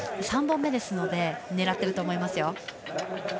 ３本目なので狙っていると思いますよ。